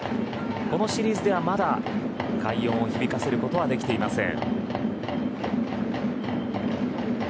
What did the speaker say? このシリーズではまだ快音を響かせることはできていません。